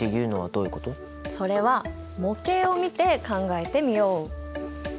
それは模型を見て考えてみよう。